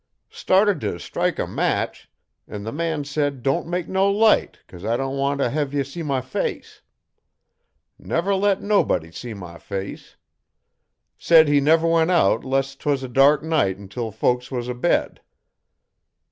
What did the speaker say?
Started t' stike a match an' the man said don't make no light cos I don't want to hev ye see my face. Never let nobody see my face. Said he never went out 'less 'twas a dark night until folks was abed.